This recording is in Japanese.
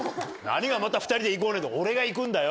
何がまた２人で行こうねだ。